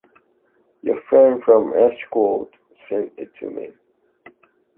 Your friend from Estrigaud sent it to me.